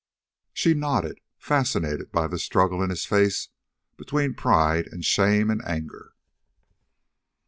She nodded, fascinated by the struggle in his face between pride and shame and anger.